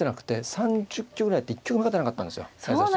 ３０局ぐらいやって１局も勝てなかったんですよ早指し。